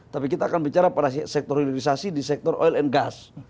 tapi kita akan bicara pada sektor hilirisasi di sektor oil and gas